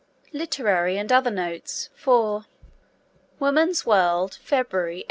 LITERARY AND OTHER NOTES IV (Woman's World, February 1888.)